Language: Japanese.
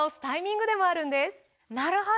なるほど！